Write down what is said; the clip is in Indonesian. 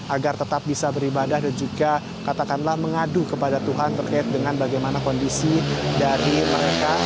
agar tetap bisa beribadah dan juga katakanlah mengadu kepada tuhan terkait dengan bagaimana kondisi dari mereka